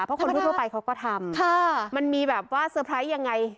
เพราะคนทั่วไปเขาก็ทำมันมีแบบว่าเตอร์ไพรส์ยังไง